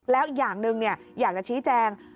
แล้วอย่างหนึ่งอยากจะชี้แจง